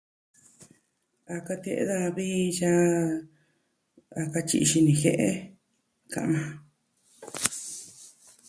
A katie'e daja vi yaa a katyi'i xini jie'e, ka'an majan.